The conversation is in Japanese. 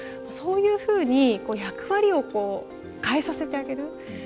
そういうふうに役割を変えさせてあげる。